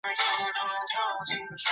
赠司徒郭崇仁曾孙。